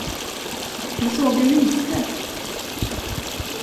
Jag såg det lyste!